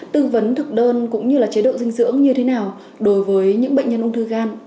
tư vấn thực đơn cũng như chế độ dinh dưỡng như thế nào đối với những bệnh nhân ung thư gan